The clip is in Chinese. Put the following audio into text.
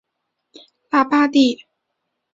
拉巴蒂。